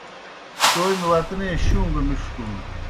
تومیْ وطنے شُوں گہ مِݜٹُن